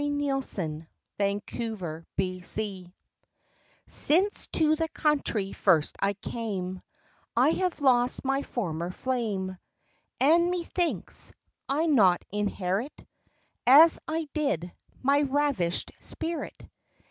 TO SIR CLIPSBY CREW Since to the country first I came, I have lost my former flame; And, methinks, I not inherit, As I did, my ravish'd spirit.